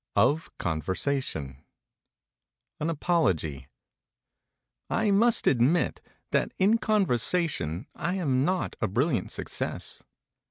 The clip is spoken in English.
OF CONVERSATION AN APOLOGY I must admit that in conversation I am not a brilliant success.